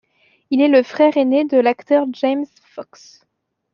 Il est le frère aîné de l'acteur James Fox.